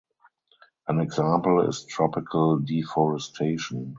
An example is tropical deforestation.